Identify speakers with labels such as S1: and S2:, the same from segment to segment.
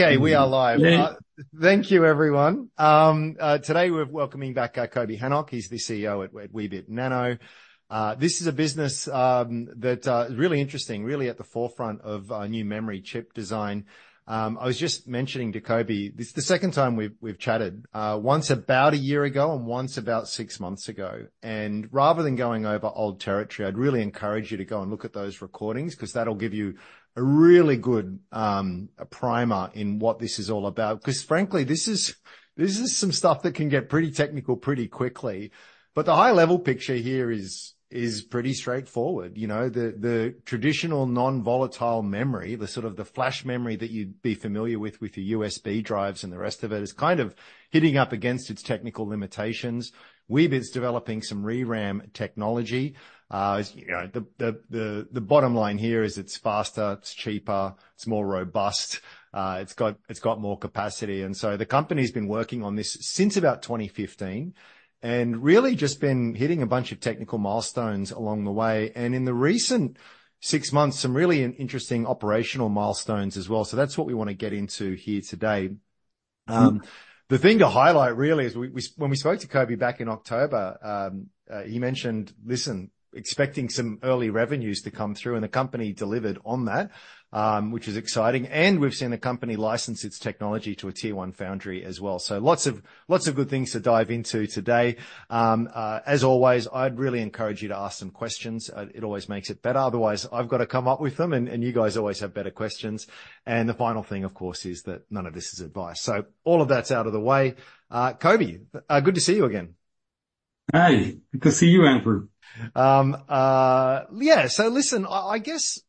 S1: Okay, we are live. Yeah. Thank you, everyone. Today we're welcoming back Coby Hanoch. He's the CEO at Weebit Nano. This is a business that is really interesting, really at the forefront of new memory chip design. I was just mentioning to Coby, this is the second time we've chatted, once about a year ago and once about six months ago. Rather than going over old territory, I'd really encourage you to go and look at those recordings 'cause that'll give you a really good primer in what this is all about. 'Cause frankly, this is some stuff that can get pretty technical pretty quickly, but the high-level picture here is pretty straightforward. The traditional non-volatile memory, the sort of the flash memory that you'd be familiar with, with your USB drives and the rest of it, is kind of hitting up against its technical limitations. Weebit's developing some ReRAM technology. As you know, the, the, the, the bottom line here is it's faster, it's cheaper, it's more robust, it's got, it's got more capacity. And so the company's been working on this since about 2015 and really just been hitting a bunch of technical milestones along the way. And in the recent 6 months, some really interesting operational milestones as well. So that's what we wanna get into here today. The thing to highlight really is we, we s when we spoke to Coby back in October, he mentioned, "Listen, expecting some early revenues to come through," and the company delivered on that, which is exciting. And we've seen the company license its technology to a Tier 1 foundry as well. So lots of, lots of good things to dive into today. As always, I'd really encourage you to ask some questions. It always makes it better. Otherwise, I've gotta come up with them, and, and you guys always have better questions. And the final thing, of course, is that none of this is advice. So all of that's out of the way. Coby, good to see you again.
S2: Hi. Good to see you, Andrew.
S1: Yeah. So listen, I guess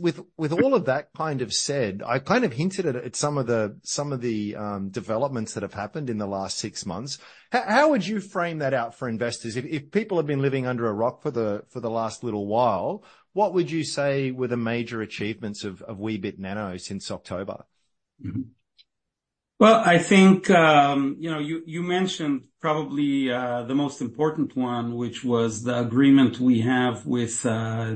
S1: with all of that kind of said, I kind of hinted at some of the developments that have happened in the last six months. How would you frame that out for investors? If people have been living under a rock for the last little while, what would you say were the major achievements of Weebit Nano since October?
S2: Well, I think, you know, you, you mentioned probably the most important one, which was the agreement we have with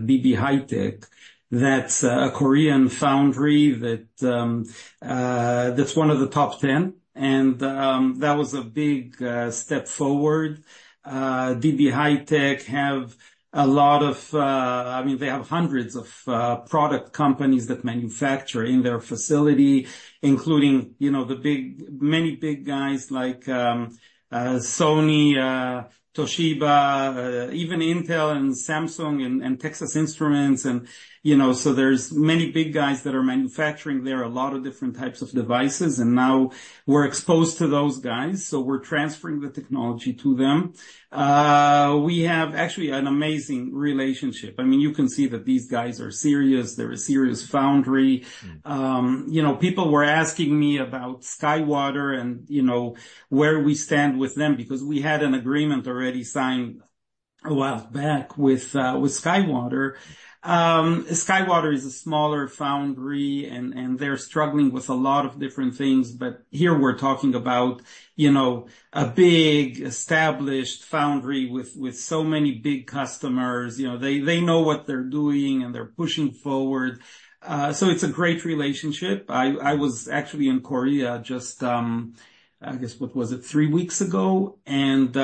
S2: DB HiTek. That's a Korean foundry that's one of the top 10. And that was a big step forward. DB HiTek have a lot of, I mean, they have hundreds of product companies that manufacture in their facility, including, you know, the big many big guys like Sony, Toshiba, even Intel and Samsung and Texas Instruments. And, you know, so there's many big guys that are manufacturing there a lot of different types of devices. And now we're exposed to those guys, so we're transferring the technology to them. We have actually an amazing relationship. I mean, you can see that these guys are serious. They're a serious foundry. People were asking me about SkyWater and, you know, where we stand with them because we had an agreement already signed a while back with SkyWater. SkyWater is a smaller foundry, and they're struggling with a lot of different things. But here we're talking about, you know, a big, established foundry with so many big customers. You know, they know what they're doing, and they're pushing forward. So it's a great relationship. I was actually in Korea just, I guess, what was it, 3 weeks ago and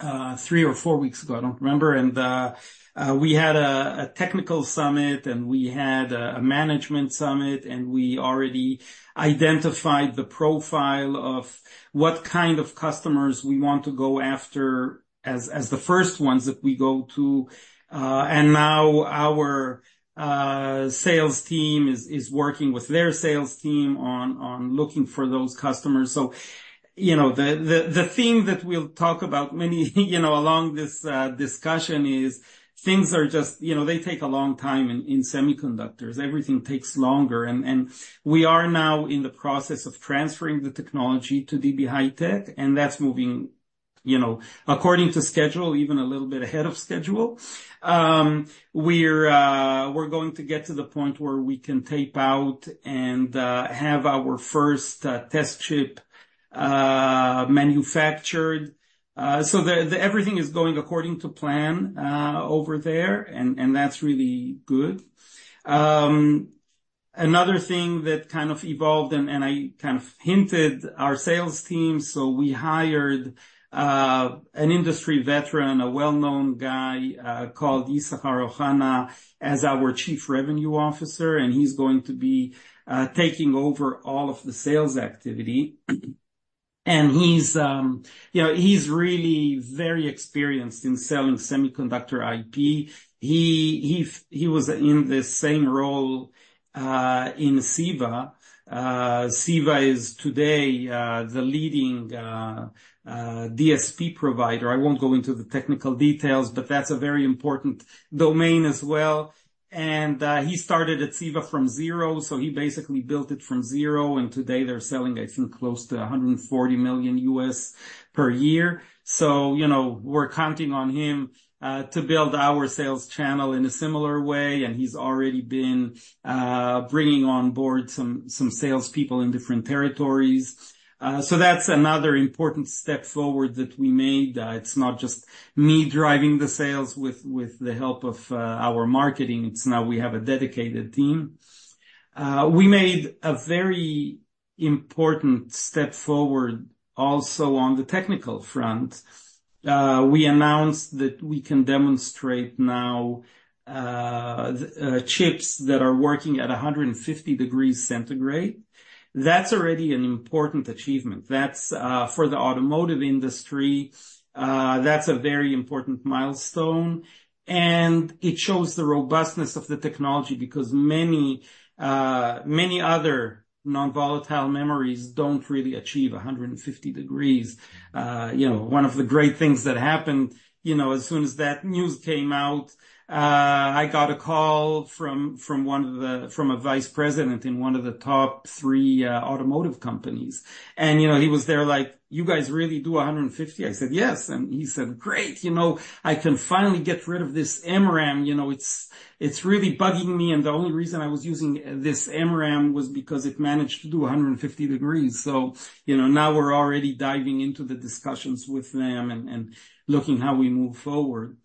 S2: 3 or 4 weeks ago, I don't remember. And we had a technical summit, and we had a management summit, and we already identified the profile of what kind of customers we want to go after as the first ones that we go to. And now our sales team is working with their sales team on looking for those customers. So, you know, the theme that we'll talk about many, you know, along this discussion is things are just you know, they take a long time in semiconductors. Everything takes longer. We are now in the process of transferring the technology to DB HiTek, and that's moving, you know, according to schedule, even a little bit ahead of schedule. We're going to get to the point where we can tape out and have our first test chip manufactured. So everything is going according to plan over there, and that's really good. Another thing that kind of evolved and I kind of hinted our sales team, so we hired an industry veteran, a well-known guy called Issachar Ohana, as our Chief Revenue Officer. He's going to be taking over all of the sales activity. He's, you know, really very experienced in selling semiconductor IP. He was in the same role at CEVA. CEVA is today the leading DSP provider. I won't go into the technical details, but that's a very important domain as well. He started at CEVA from zero, so he basically built it from zero. Today they're selling, I think, close to $140 million per year. You know, we're counting on him to build our sales channel in a similar way. He's already been bringing on board some salespeople in different territories. That's another important step forward that we made. It's not just me driving the sales with the help of our marketing. It's now we have a dedicated team. We made a very important step forward also on the technical front. We announced that we can demonstrate now chips that are working at 150 degrees centigrade. That's already an important achievement. That's, for the automotive industry, that's a very important milestone. And it shows the robustness of the technology because many, many other non-volatile memories don't really achieve 150 degrees. One of the great things that happened, you know, as soon as that news came out, I got a call from a vice president in one of the top three automotive companies. And, you know, he was there like, "You guys really do 150?" I said, "Yes." And he said, "Great. You know, I can finally get rid of this MRAM. It's really bugging me. And the only reason I was using this MRAM was because it managed to do 150 degrees." So, you know, now we're already diving into the discussions with them and looking how we move forward.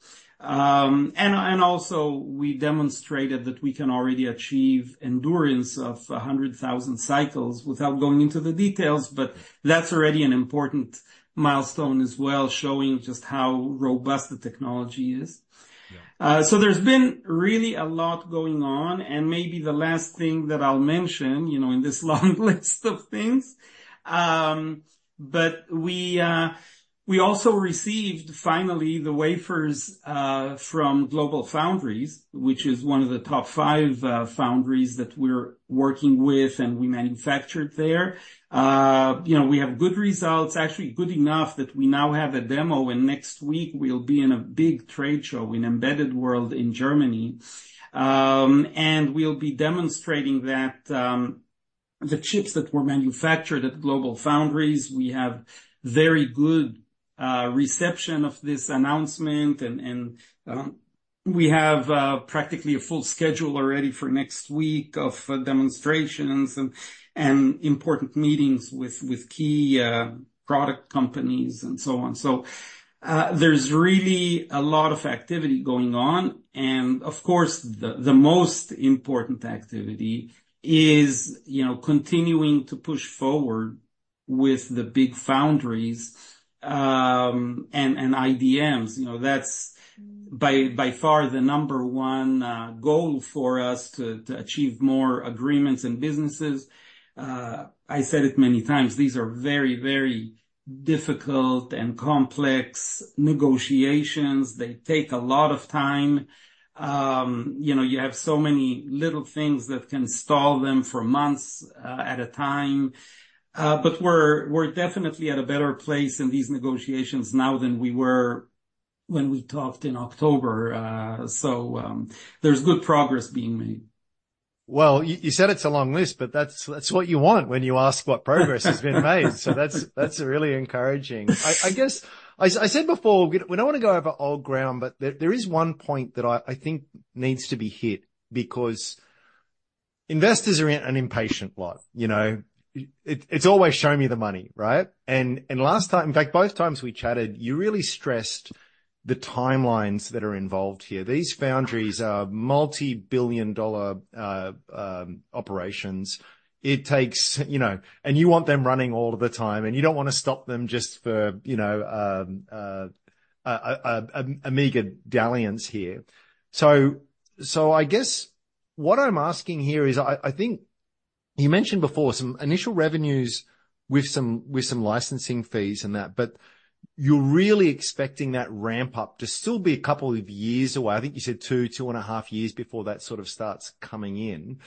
S2: And also we demonstrated that we can already achieve endurance of 100,000 cycles without going into the details. But that's already an important milestone as well, showing just how robust the technology is. So there's been really a lot going on. And maybe the last thing that I'll mention, you know, in this long list of things, but we also received finally the wafers from GlobalFoundries, which is one of the top five foundries that we're working with and we manufactured there. We have good results, actually good enough that we now have a demo. And next week we'll be in a big trade show in Embedded World in Germany. We'll be demonstrating that, the chips that were manufactured at GlobalFoundries. We have very good reception of this announcement. We have practically a full schedule already for next week of demonstrations and important meetings with key product companies and so on. So, there's really a lot of activity going on. And of course, the most important activity is, you know, continuing to push forward with the big foundries and IDMs. You know, that's by far the number one goal for us to achieve more agreements and businesses. I said it many times, these are very, very difficult and complex negotiations. They take a lot of time. You have so many little things that can stall them for months at a time. But we're definitely at a better place in these negotiations now than we were when we talked in October. So, there's good progress being made.
S1: Well, you said it's a long list, but that's what you want when you ask what progress has been made. So that's really encouraging. I guess I said before, we don't wanna go over old ground, but there is one point that I think needs to be hit because investors are in an impatient life. it's always show me the money, right? And last time in fact, both times we chatted, you really stressed the timelines that are involved here. These foundries are multi-billion dollar operations. It takes, you know, and you want them running all of the time, and you don't wanna stop them just for, you know, a meager dalliance here. So, I guess what I'm asking here is, I think you mentioned before some initial revenues with some licensing fees and that, but you're really expecting that ramp-up to still be a couple of years away. I think you said 2-2.5 years before that sort of starts coming in.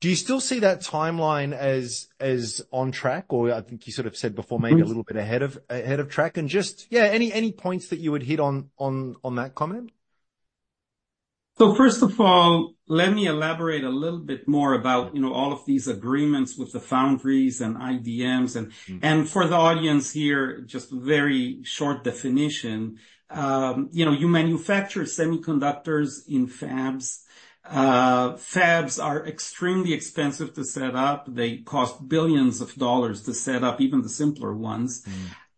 S1: Do you still see that timeline as on track? Or I think you sort of said before maybe a little bit ahead of track. And just, yeah, any points that you would hit on that comment?
S2: So first of all, let me elaborate a little bit more about, you know, all of these agreements with the foundries and IDMs. And for the audience here, just a very short definition. You know, you manufacture semiconductors in fabs. Fabs are extremely expensive to set up. They cost billions of dollars to set up even the simpler ones.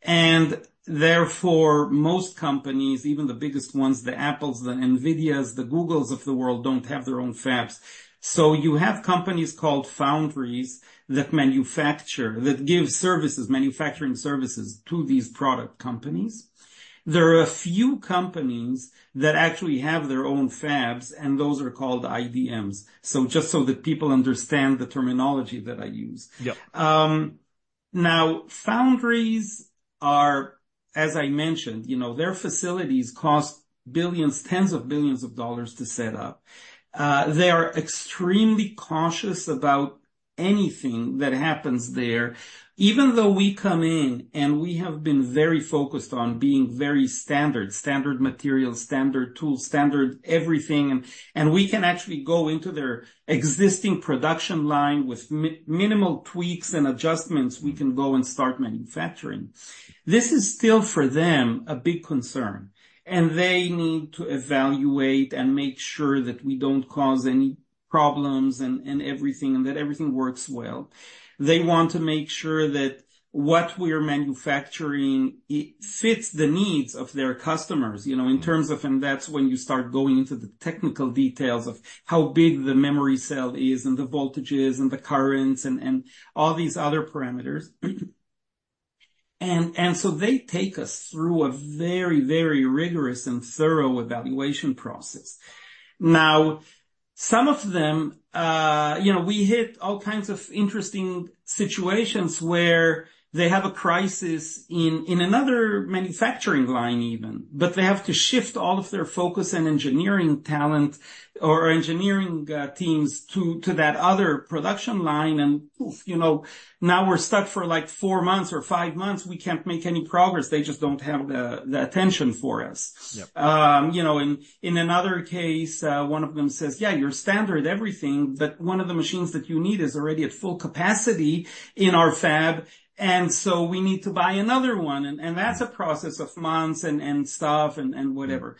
S2: And therefore, most companies, even the biggest ones, the Apples, the NVIDIAs, the Googles of the world, don't have their own fabs. So you have companies called foundries that manufacture, that give services, manufacturing services to these product companies. There are a few companies that actually have their own fabs, and those are called IDMs. So just so that people understand the terminology that I use. Now foundries are, as I mentioned, you know, their facilities cost billions, tens of billions of dollars to set up. They are extremely cautious about anything that happens there. Even though we come in and we have been very focused on being very standard, standard materials, standard tools, standard everything, and, and we can actually go into their existing production line with minimal tweaks and adjustments, we can go and start manufacturing. This is still for them a big concern. And they need to evaluate and make sure that we don't cause any problems and, and everything and that everything works well. They want to make sure that what we are manufacturing fits the needs of their customers, you know, in terms of and that's when you start going into the technical details of how big the memory cell is and the voltages and the currents and, and all these other parameters. And so they take us through a very, very rigorous and thorough evaluation process. Now, some of them, we hit all kinds of interesting situations where they have a crisis in, in another manufacturing line even, but they have to shift all of their focus and engineering talent or engineering, teams to, to that other production line. And, you know, now we're stuck for like 4 months or 5 months. We can't make any progress. They just don't have the, the attention for us. Another case, one of them says, "Yeah, you're standard everything, but one of the machines that you need is already at full capacity in our fab. And so we need to buy another one." And, and that's a process of months and, and stuff and, and whatever.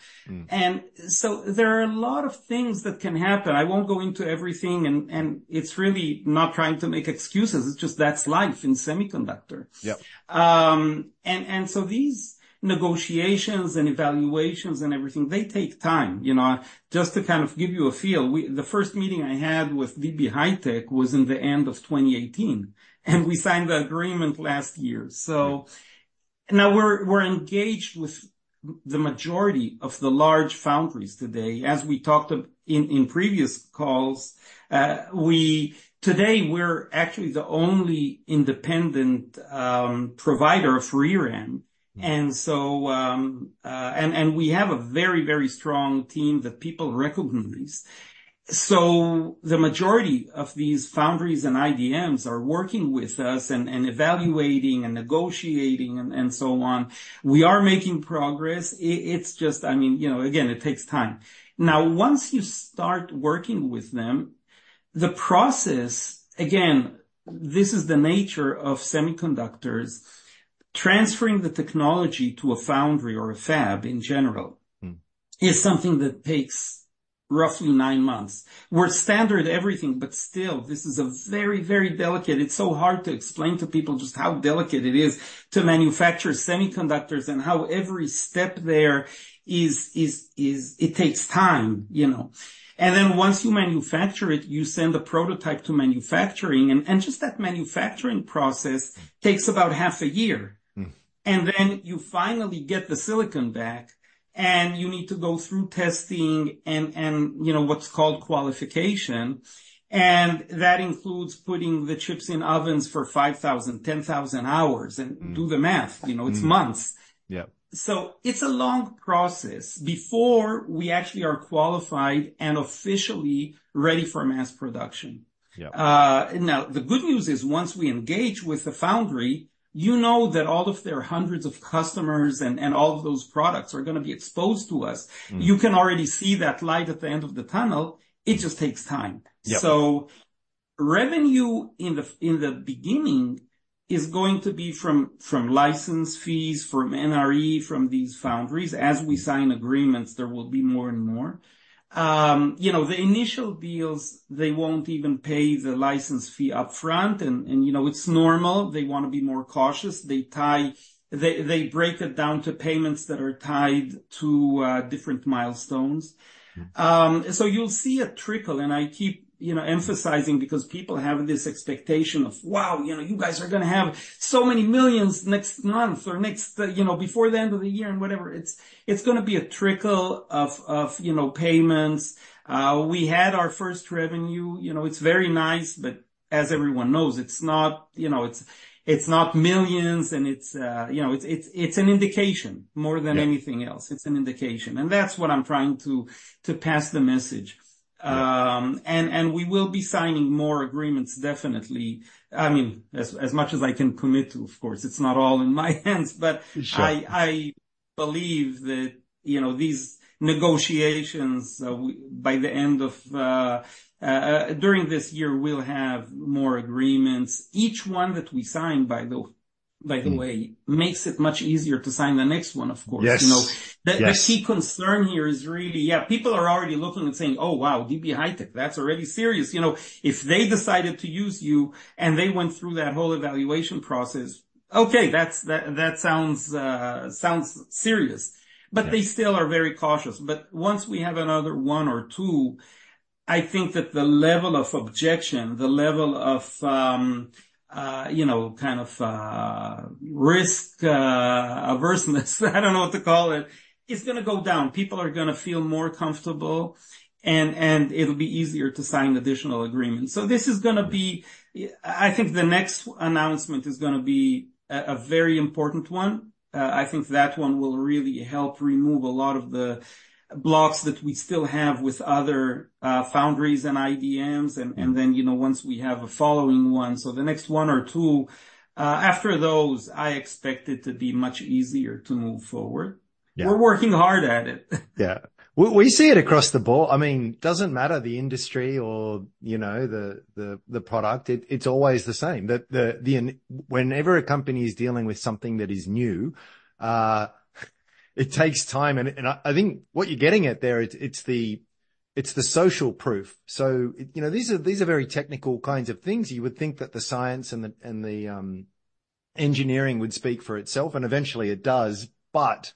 S2: And so there are a lot of things that can happen. I won't go into everything. And, and it's really not trying to make excuses. It's just that's life in semiconductor. And so these negotiations and evaluations and everything, they take time, you know, just to kind of give you a feel. We the first meeting I had with DB HiTek was in the end of 2018, and we signed the agreement last year. So now we're, we're engaged with the majority of the large foundries today. As we talked in previous calls, we're today actually the only independent provider of ReRAM. And so we have a very, very strong team that people recognize. So the majority of these foundries and IDMs are working with us and evaluating and negotiating and so on. We are making progress. It's just I mean, you know, again, it takes time. Now, once you start working with them, the process again, this is the nature of semiconductors, transferring the technology to a foundry or a fab in general is something that takes roughly nine months. We're standard everything, but still, this is a very, very delicate. It's so hard to explain to people just how delicate it is to manufacture semiconductors and how every step there is it takes time, you know. And then once you manufacture it, you send a prototype to manufacturing. And just that manufacturing process takes about half a year. And then you finally get the silicon back, and you need to go through testing and, you know, what's called qualification. And that includes putting the chips in ovens for 5,000, 10,000 hours and do the math. It's months.
S1: Yeah,
S2: so it's a long process before we actually are qualified and officially ready for mass production. Now the good news is once we engage with the foundry, you know, that all of their hundreds of customers and all of those products are gonna be exposed to us. You can already see that light at the end of the tunnel. It just takes time. Yeah, so revenue in the beginning is going to be from license fees, from NRE, from these foundries. As we sign agreements, there will be more and more, you know. The initial deals, they won't even pay the license fee upfront. And, you know, it's normal. They wanna be more cautious. They tie, they break it down to payments that are tied to different milestones. So you'll see a trickle. I keep, you know, emphasizing because people have this expectation of, "Wow, you know, you guys are gonna have so many millions next month or next, you know, before the end of the year and whatever." It's gonna be a trickle of, you know, payments. We had our first revenue. You know, it's very nice, but as everyone knows, it's not, you know, millions. And it's, you know, an indication more than anything else. It's an indication. And that's what I'm trying to pass the message. And we will be signing more agreements, definitely. I mean, as much as I can commit to, of course. It's not all in my hands, but I believe that, these negotiations, we by the end of, during this year, we'll have more agreements. Each one that we sign, by the way, makes it much easier to sign the next one, of course. The key concern here is really yeah, people are already looking and saying, "Oh, wow, DB HiTek. That's already serious, if they decided to use you and they went through that whole evaluation process, okay, that's that sounds serious. But they still are very cautious. But once we have another one or two, I think that the level of objection, the level of, kind of, risk, averseness I don't know what to call it is gonna go down. People are gonna feel more comfortable, and it'll be easier to sign additional agreements. So this is gonna be, I think, the next announcement is gonna be a very important one. I think that one will really help remove a lot of the blocks that we still have with other foundries and IDMs. And then, you know, once we have a following one so the next 1 or two after those, I expect it to be much easier to move forward. We're working hard at it.
S1: Yeah. We see it across the board. I mean, it doesn't matter the industry or, you know, the product. It's always the same. Whenever a company is dealing with something that is new, it takes time. And I think what you're getting at there, it's the social proof. So, you know, these are very technical kinds of things. You would think that the science and the engineering would speak for itself. And eventually, it does. But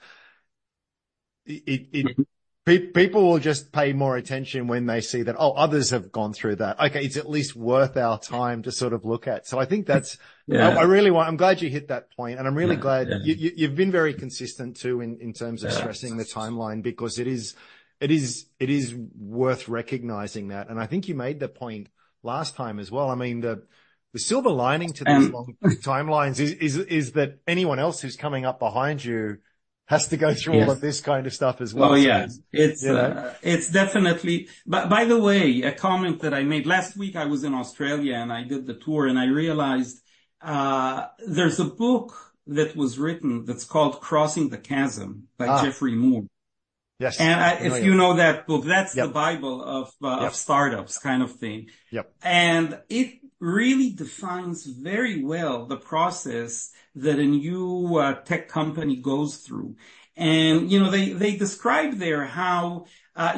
S1: people will just pay more attention when they see that, "Oh, others have gone through that. Okay, it's at least worth our time to sort of look at." So I think that's. I'm glad you hit that point. And I'm really glad you've been very consistent too in terms of stressing the timeline because it is worth recognizing that. And I think you made the point last time as well. I mean, the silver lining to these long timelines is that anyone else who's coming up behind you has to go through all of this kind of stuff as well.
S2: Oh, yeah. It's definitely, by the way, a comment that I made last week. I was in Australia, and I did the tour, and I realized there's a book that was written that's called Crossing the Chasm by Geoffrey Moore.
S1: Yes.
S2: If you know that book, that's the Bible of startups kind of thing.
S1: Yep.
S2: It really defines very well the process that a new tech company goes through. You know, they describe there how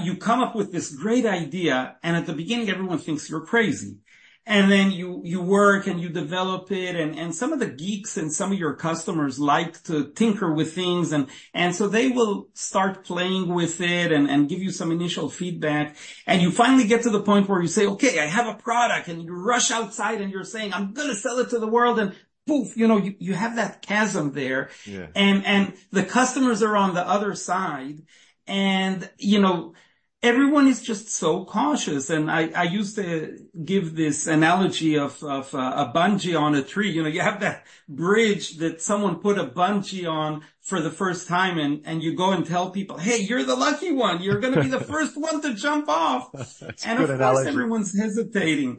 S2: you come up with this great idea, and at the beginning, everyone thinks you're crazy. Then you work, and you develop it. Some of the geeks and some of your customers like to tinker with things. So they will start playing with it and give you some initial feedback. You finally get to the point where you say, "Okay, I have a product." You rush outside, and you're saying, "I'm gonna sell it to the world." Poof, you know, you have that chasm there.
S1: Yeah.
S2: And the customers are on the other side. And, everyone is just so cautious. And I used to give this analogy of a bungee on a tree. You know, you have that bridge that someone put a bungee on for the first time, and you go and tell people, "Hey, you're the lucky one. You're gonna be the first one to jump off." And of course, everyone's hesitating.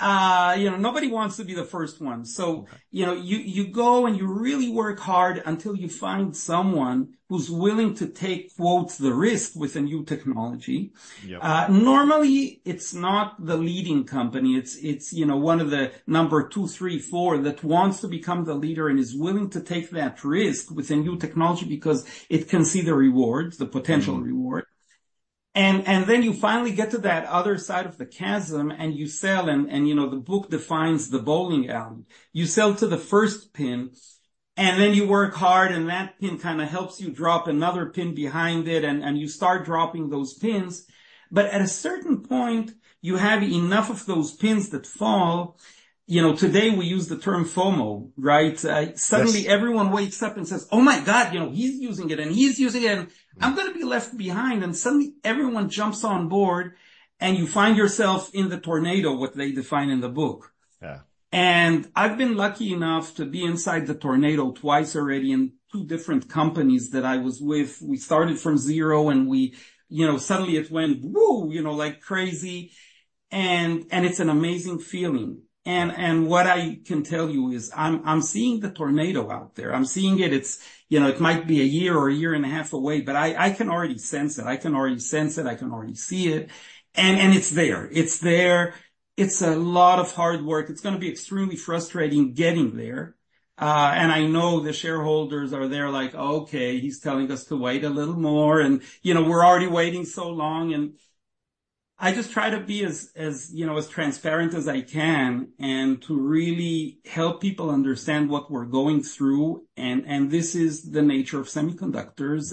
S2: You know, nobody wants to be the first one. So, you go, and you really work hard until you find someone who's willing to take, quote, "the risk" with a new technology.
S1: Yep.
S2: Normally, it's not the leading company. It's you know, one of the number 2, 3, 4 that wants to become the leader and is willing to take that risk with a new technology because it can see the rewards, the potential reward. And then you finally get to that other side of the chasm, and you sell. And, you know, the book defines the bowling alley. You sell to the first pin, and then you work hard, and that pin kinda helps you drop another pin behind it. And you start dropping those pins. But at a certain point, you have enough of those pins that fall. You know, today, we use the term FOMO, right? Suddenly, everyone wakes up and says, "Oh, my God. he's using it, and he's using it. And I'm gonna be left behind." Suddenly, everyone jumps on board, and you find yourself in the tornado, what they define in the book.
S1: Yeah.
S2: And I've been lucky enough to be inside the tornado twice already in two different companies that I was with. We started from zero, and we, you know, suddenly, it went, woo, you know, like crazy. And, and it's an amazing feeling. And, and what I can tell you is I'm, I'm seeing the tornado out there. I'm seeing it. It's, you know, it might be a year or a year and a half away, but I, I can already sense it. I can already sense it. I can already see it. And, and it's there. It's there. It's a lot of hard work. It's gonna be extremely frustrating getting there. And I know the shareholders are there like, "Okay, he's telling us to wait a little more. And, you know, we're already waiting so long." I just try to be as, you know, as transparent as I can and to really help people understand what we're going through. This is the nature of semiconductors.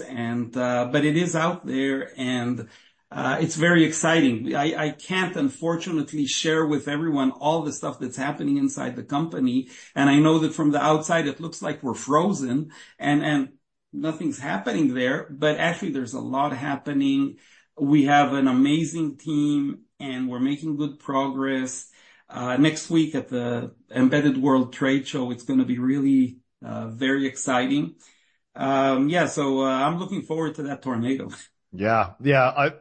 S2: But it is out there. It's very exciting. I can't, unfortunately, share with everyone all the stuff that's happening inside the company. I know that from the outside, it looks like we're frozen. And nothing's happening there. But actually, there's a lot happening. We have an amazing team, and we're making good progress. Next week at the Embedded World Trade Show, it's gonna be really, very exciting. Yeah. I'm looking forward to that tornado.
S1: Yeah.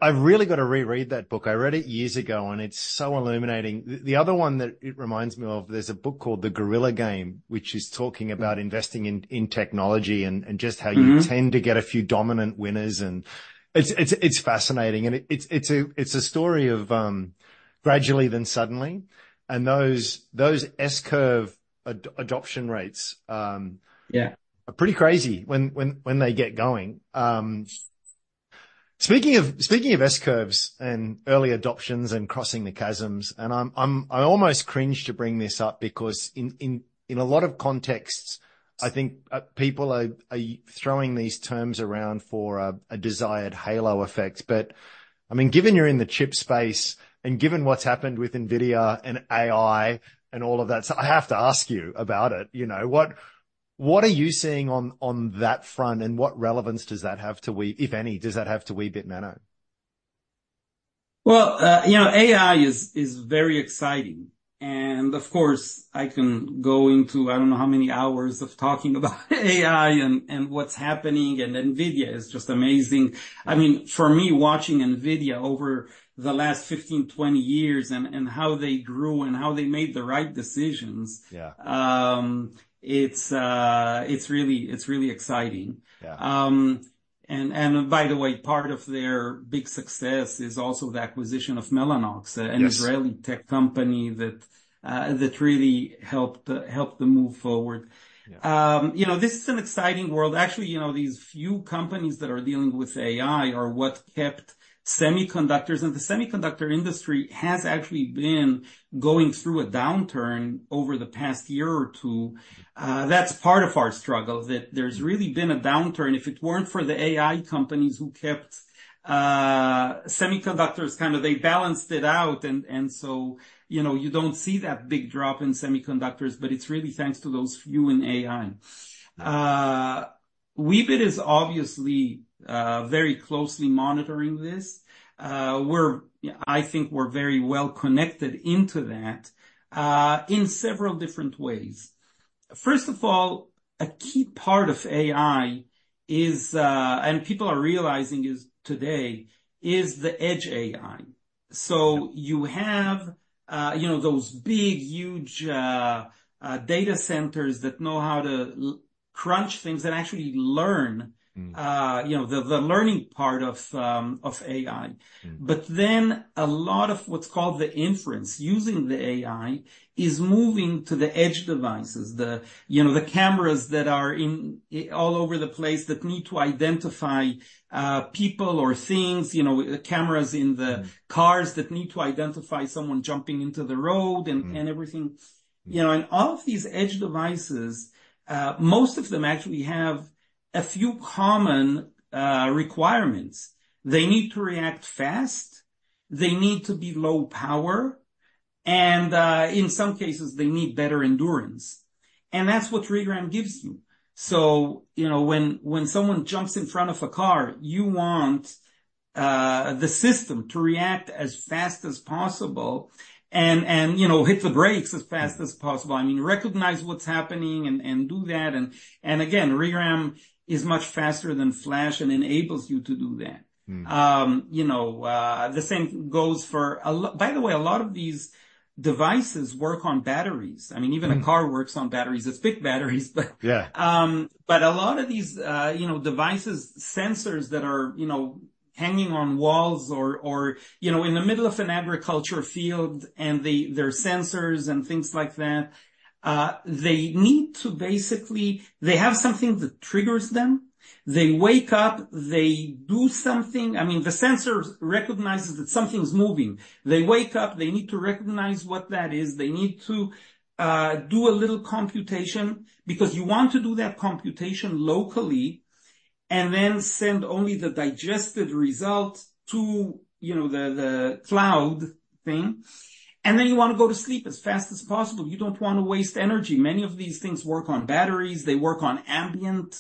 S1: I've really gotta reread that book. I read it years ago, and it's so illuminating. The other one that it reminds me of, there's a book called The Gorilla Game, which is talking about investing in technology and just how you tend to get a few dominant winners. And it's fascinating. And it's a story of gradually then suddenly. And those S-curve adoption rates are pretty crazy when they get going. Speaking of S-curves and early adoptions and crossing the chasms, I almost cringe to bring this up because in a lot of contexts, I think people are throwing these terms around for a desired halo effect. But I mean, given you're in the chip space and given what's happened with NVIDIA and AI and all of that, so I have to ask you about it. You know, what are you seeing on that front, and what relevance does that have to Weebit, if any, does that have to Weebit Nano?
S2: Well, you know, AI is very exciting. And of course, I can go into I don't know how many hours of talking about AI and what's happening. And NVIDIA is just amazing. I mean, for me, watching NVIDIA over the last 15, 20 years and how they grew and how they made the right decisions, it's really exciting.
S1: Yeah.
S2: And by the way, part of their big success is also the acquisition of Mellanox, an Israeli tech company that really helped them move forward. This is an exciting world. Actually, you know, these few companies that are dealing with AI are what kept semiconductors. And the semiconductor industry has actually been going through a downturn over the past year or two. That's part of our struggle, that there's really been a downturn. If it weren't for the AI companies who kept semiconductors kind of they balanced it out. And so, you know, you don't see that big drop in semiconductors, but it's really thanks to those few in AI. Weebit is obviously very closely monitoring this. We're, I think, very well connected into that, in several different ways. First of all, a key part of AI is, and people are realizing, is today the edge AI. So you have, you know, those big, huge, data centers that know how to crunch things and actually learn, you know, the learning part of AI. But then a lot of what's called the inference using the AI is moving to the edge devices, the, you know, the cameras that are in all over the place that need to identify people or things, you know, the cameras in the cars that need to identify someone jumping into the road and everything. You know, and all of these edge devices, most of them actually have a few common requirements. They need to react fast. They need to be low power. And, in some cases, they need better endurance. And that's what ReRAM gives you. So, when someone jumps in front of a car, you want the system to react as fast as possible and, you know, hit the brakes as fast as possible. I mean, recognize what's happening and do that. And again, ReRAM is much faster than Flash and enables you to do that. The same goes for a lot by the way, a lot of these devices work on batteries. I mean, even a car works on batteries. It's big batteries. But a lot of these, devices, sensors that are, you know, hanging on walls or, you know, in the middle of an agriculture field and there are sensors and things like that, they need to basically they have something that triggers them. They wake up. They do something. I mean, the sensor recognizes that something's moving. They wake up. They need to recognize what that is. They need to do a little computation because you want to do that computation locally and then send only the digested result to, you know, the cloud thing. And then you wanna go to sleep as fast as possible. You don't wanna waste energy. Many of these things work on batteries. They work on ambient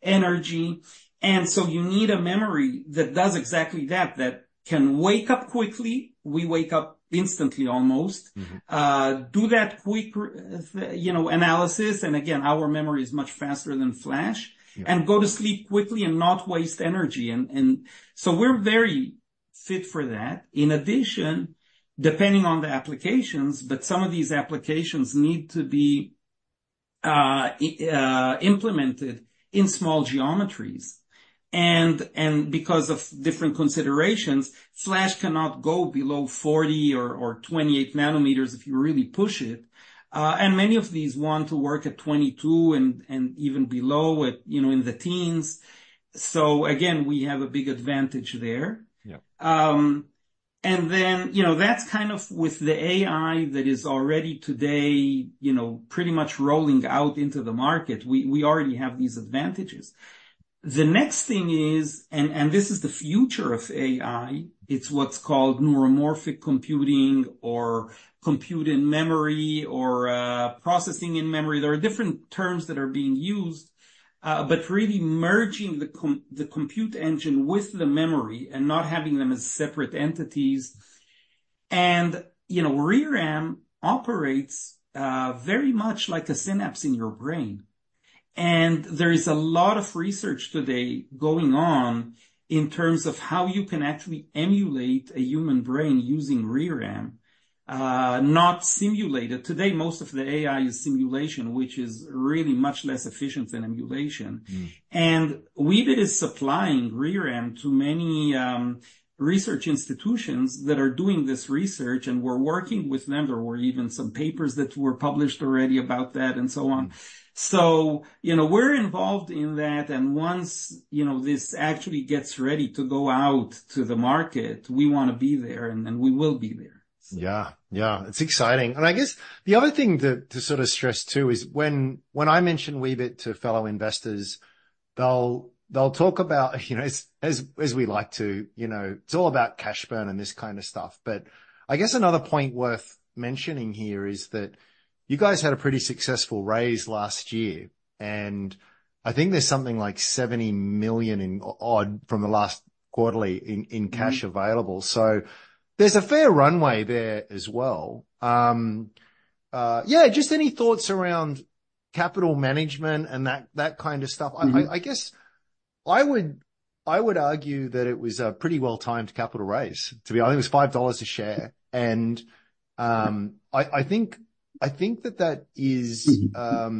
S2: energy. And so you need a memory that does exactly that, that can wake up quickly. We wake up instantly almost, do that quick, you know, analysis. And again, our memory is much faster than Flash and go to sleep quickly and not waste energy. And so we're very fit for that. In addition, depending on the applications, but some of these applications need to be implemented in small geometries. And because of different considerations, Flash cannot go below 40 or 28 nanometers if you really push it. And many of these want to work at 22 and even below at, you know, in the teens. So again, we have a big advantage there.
S1: Yep.
S2: and then, that's kind of with the AI that is already today, pretty much rolling out into the market. We, we already have these advantages. The next thing is and, and this is the future of AI. It's what's called neuromorphic computing or compute in memory or, processing in memory. There are different terms that are being used, but really merging the compute engine with the memory and not having them as separate entities. And, ReRAM operates, very much like a synapse in your brain. And there is a lot of research today going on in terms of how you can actually emulate a human brain using ReRAM, not simulated. Today, most of the AI is simulation, which is really much less efficient than emulation. And Weebit is supplying ReRAM to many, research institutions that are doing this research. We're working with them. There were even some papers that were published already about that and so on. You know, we're involved in that. Once, you know, this actually gets ready to go out to the market, we wanna be there. Then we will be there.
S1: Yeah. Yeah. It's exciting. I guess the other thing to sort of stress too is when I mention Weebit to fellow investors, they'll talk about, as we like to, you know, it's all about cash burn and this kind of stuff. But I guess another point worth mentioning here is that you guys had a pretty successful raise last year. And I think there's something like $70 million or so from the last quarterly in cash available. So there's a fair runway there as well. Yeah. Just any thoughts around capital management and that kind of stuff? I guess I would argue that it was a pretty well-timed capital raise, to be honest. I think it was $5 a share. I think that there are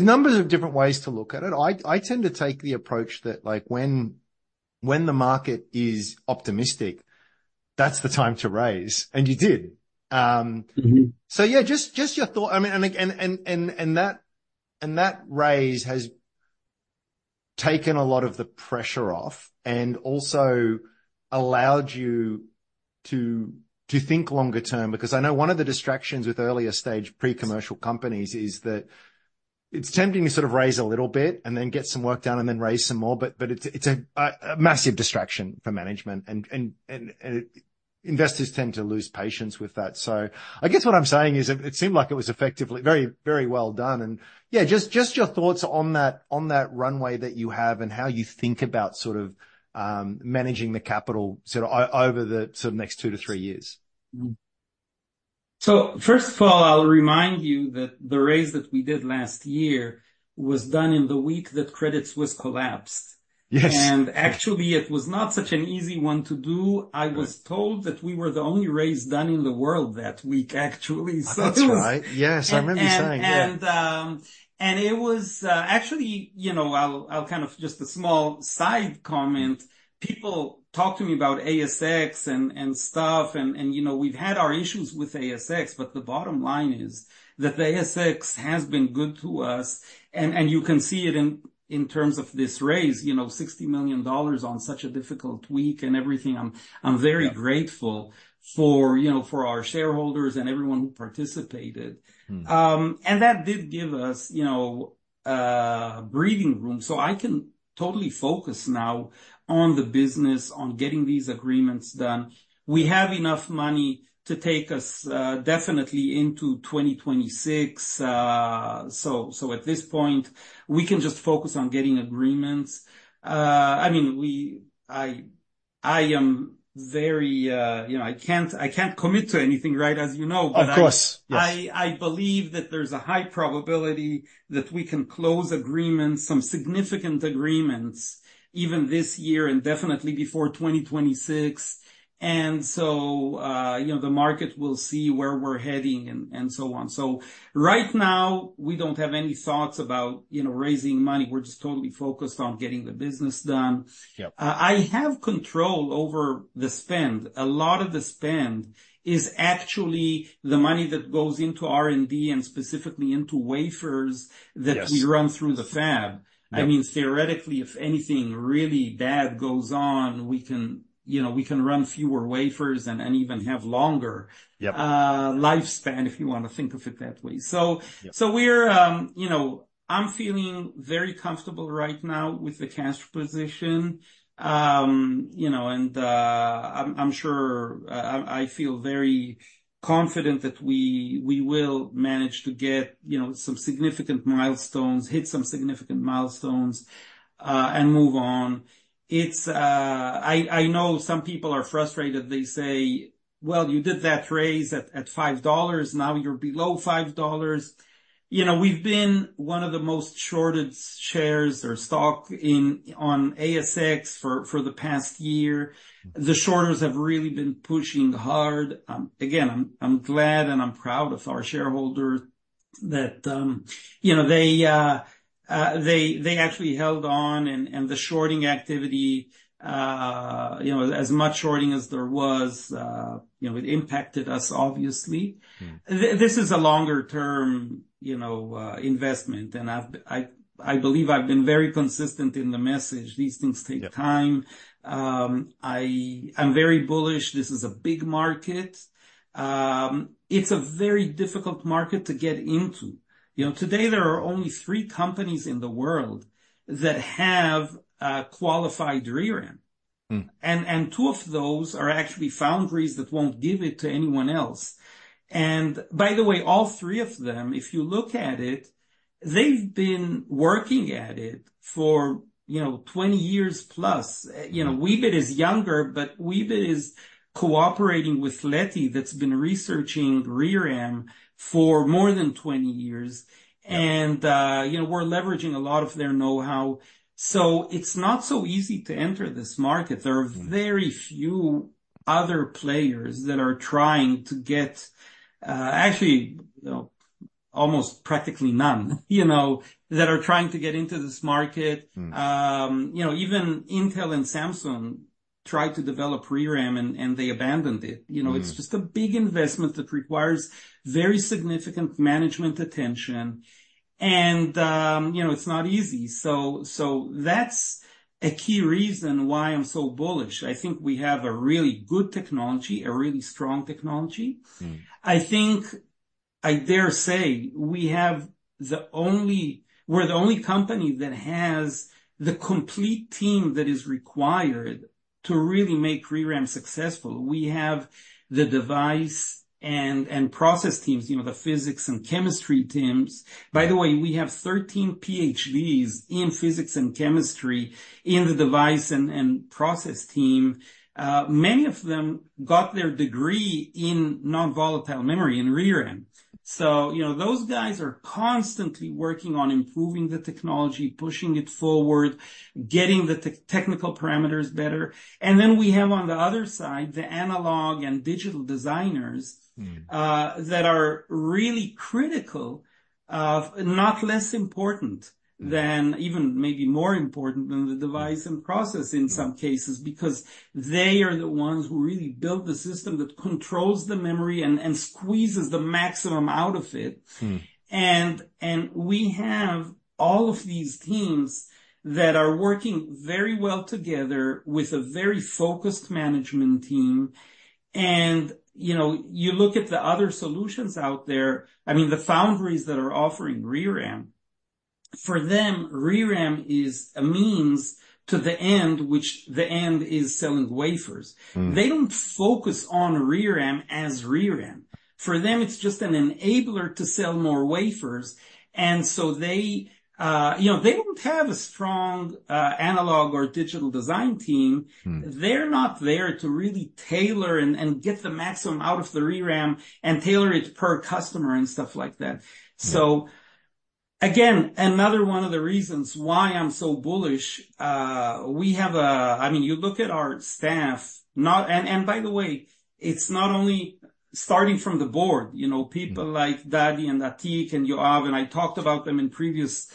S1: numbers of different ways to look at it. I tend to take the approach that, like, when the market is optimistic, that's the time to raise. And you did. So yeah. Just your thought. I mean, and that raise has taken a lot of the pressure off and also allowed you to think longer term. Because I know one of the distractions with earlier-stage pre-commercial companies is that it's tempting to sort of raise a little bit and then get some work done and then raise some more. But it's a massive distraction for management. And investors tend to lose patience with that. So I guess what I'm saying is it seemed like it was effectively very, very well done. And yeah. Just your thoughts on that runway that you have and how you think about sort of managing the capital sort of over the sort of next 2-3 years.
S2: First of all, I'll remind you that the raise that we did last year was done in the week that Credit Suisse collapsed.
S1: Yes.
S2: Actually, it was not such an easy one to do. I was told that we were the only raise done in the world that week, actually.
S1: That's right. Yes. I remember you saying. Yeah.
S2: It was, actually, I'll kind of just a small side comment. People talk to me about ASX and stuff. And we've had our issues with ASX. But the bottom line is that the ASX has been good to us. And you can see it in terms of this raise, $60 million on such a difficult week and everything. I'm very grateful for, for our shareholders and everyone who participated. And that did give us, you know, breathing room. So I can totally focus now on the business, on getting these agreements done. We have enough money to take us definitely into 2026. So at this point, we can just focus on getting agreements. I mean, I am very, you know, I can't commit to anything, right, as you know.
S1: Of course. Yes.
S2: I believe that there's a high probability that we can close agreements, some significant agreements, even this year and definitely before 2026. You know, the market will see where we're heading and so on. Right now, we don't have any thoughts about, raising money. We're just totally focused on getting the business done.
S1: Yep.
S2: I have control over the spend. A lot of the spend is actually the money that goes into R&D and specifically into wafers that we run through the fab. I mean, theoretically, if anything really bad goes on, we can, you know, we can run fewer wafers and even have longer lifespan, if you wanna think of it that way. So we're, you know, I'm feeling very comfortable right now with the cash position, you know, and I'm sure I feel very confident that we will manage to get, you know, some significant milestones, hit some significant milestones, and move on. It's, I know some people are frustrated. They say, "Well, you did that raise at 5 dollars. Now you're below 5 dollars. We've been one of the most shorted shares or stock on ASX for the past year. The shorters have really been pushing hard. Again, I'm glad and I'm proud of our shareholders that, they actually held on. And the shorting activity, as much shorting as there was, it impacted us, obviously.
S1: Mm-hmm. This is a longer-term, you know, investment. I believe I've been very consistent in the message. These things take time. I'm very bullish. This is a big market. It's a very difficult market to get into. Today, there are only three companies in the world that have qualified ReRAM. And two of those are actually foundries that won't give it to anyone else. And by the way, all three of them, if you look at it, they've been working at it for, you know, 20 years plus. You know, Weebit is younger, but Weebit is cooperating with Leti that's been researching ReRAM for more than 20 years. And, we're leveraging a lot of their know-how. So it's not so easy to enter this market.
S2: There are very few other players that are trying to get, actually, you know, almost practically none, you know, that are trying to get into this market. You know, even Intel and Samsung tried to develop ReRAM, and, and they abandoned it. It's just a big investment that requires very significant management attention. And, it's not easy. So, so that's a key reason why I'm so bullish. I think we have a really good technology, a really strong technology. I think I dare say we have the only we're the only company that has the complete team that is required to really make ReRAM successful. We have the device and, and process teams, you know, the physics and chemistry teams. By the way, we have 13 Ph.D.s in physics and chemistry in the device and, and process team. Many of them got their degree in non-volatile memory in ReRAM. So, you know, those guys are constantly working on improving the technology, pushing it forward, getting the technical parameters better. And then we have, on the other side, the analog and digital designers, that are really critical of not less important than even maybe more important than the device and process in some cases because they are the ones who really build the system that controls the memory and, and squeezes the maximum out of it. And we have all of these teams that are working very well together with a very focused management team. And, you know, you look at the other solutions out there, I mean, the foundries that are offering ReRAM, for them, ReRAM is a means to the end, which the end is selling wafers. They don't focus on ReRAM as ReRAM. For them, it's just an enabler to sell more wafers. And so they, you know, they don't have a strong, analog or digital design team. They're not there to really tailor and get the maximum out of the ReRAM and tailor it per customer and stuff like that.
S1: Yeah.
S2: So again, another one of the reasons why I'm so bullish. We have—I mean, you look at our staff. And by the way, it's not only starting from the board, you know, people like Dadi and Atiq and Yoav. And I talked about them in previous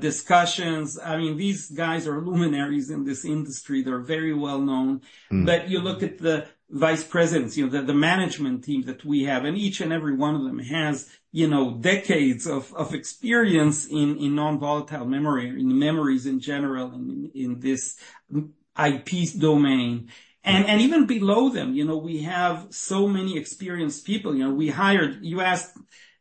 S2: discussions. I mean, these guys are luminaries in this industry. They're very well known. But you look at the vice presidents, you know, the management team that we have. And each and every one of them has, you know, decades of experience in non-volatile memory or in memories in general and in this IP domain. And even below them, you know, we have so many experienced people. We hired you asked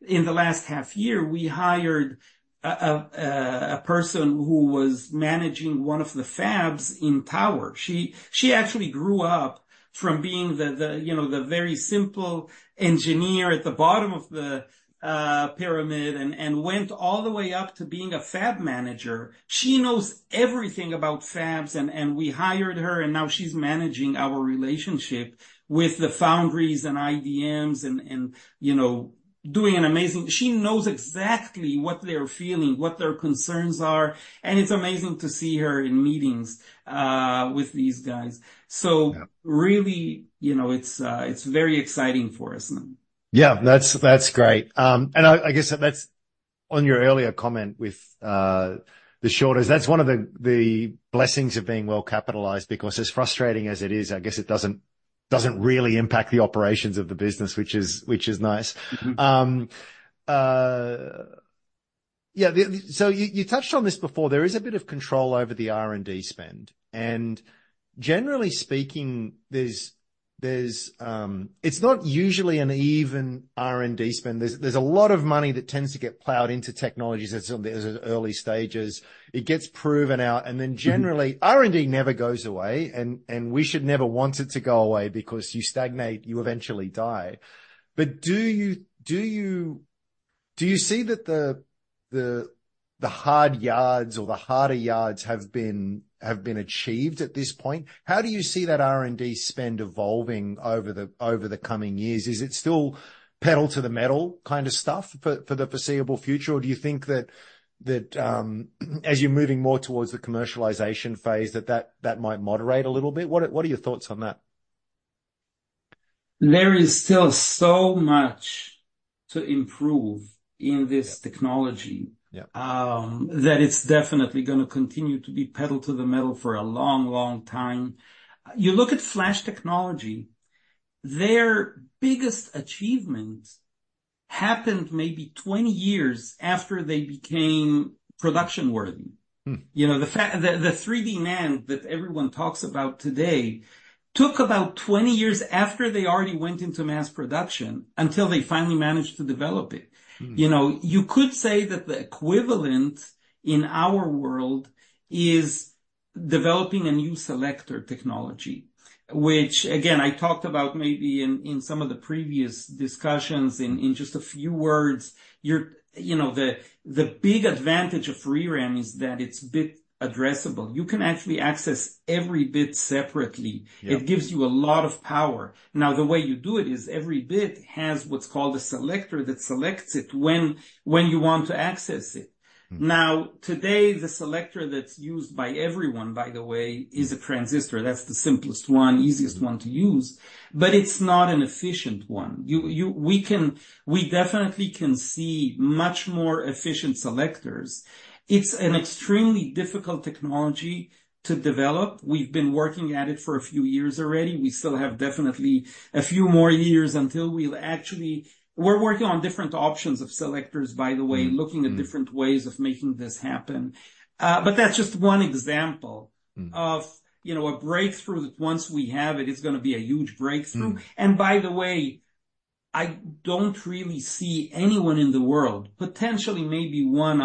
S2: in the last half year. We hired a person who was managing one of the fabs in Tower. She actually grew up from being the very simple engineer at the bottom of the pyramid and went all the way up to being a fab manager. She knows everything about fabs. And we hired her. And now she's managing our relationship with the foundries and IDMs and, you know, doing an amazing she knows exactly what they're feeling, what their concerns are. And it's amazing to see her in meetings with these guys. So really, it's very exciting for us.
S1: Yeah. That's great. I guess that's on your earlier comment with the shorters. That's one of the blessings of being well-capitalized because as frustrating as it is, I guess it doesn't really impact the operations of the business, which is nice. Yeah. So you touched on this before. There is a bit of control over the R&D spend. And generally speaking, it's not usually an even R&D spend. There's a lot of money that tends to get plowed into technologies as some early stages. It gets proven out. And then generally, R&D never goes away. And we should never want it to go away because you stagnate. You eventually die. But do you see that the hard yards or the harder yards have been achieved at this point? How do you see that R&D spend evolving over the coming years? Is it still pedal to the metal kind of stuff for the foreseeable future? Or do you think that that might moderate a little bit? What are your thoughts on that?
S2: There is still so much to improve in this technology.
S1: Yeah.
S2: that it's definitely gonna continue to be pedal to the metal for a long, long time. You look at flash technology, their biggest achievement happened maybe 20 years after they became production-worthy. You know, the 3D NAND that everyone talks about today took about 20 years after they already went into mass production until they finally managed to develop it. You know, you could say that the equivalent in our world is developing a new selector technology, which, again, I talked about maybe in some of the previous discussions in just a few words. You know, the big advantage of ReRAM is that it's bit addressable. You can actually access every bit separately.
S1: Yeah.
S2: It gives you a lot of power. Now, the way you do it is every bit has what's called a selector that selects it when you want to access it. Now, today, the selector that's used by everyone, by the way, is a transistor. That's the simplest one, easiest one to use. But it's not an efficient one. We definitely can see much more efficient selectors. It's an extremely difficult technology to develop. We've been working at it for a few years already. We still have definitely a few more years until we'll actually we're working on different options of selectors, by the way, looking at different ways of making this happen. But that's just one example of, you know, a breakthrough that once we have it, it's gonna be a huge breakthrough. By the way, I don't really see anyone in the world, potentially maybe one